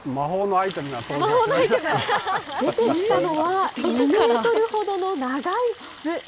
出てきたのは、２メートルほどの長い筒。